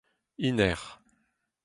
hennezh